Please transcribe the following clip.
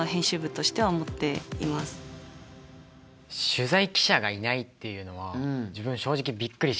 取材記者がいないっていうのは自分正直びっくりして。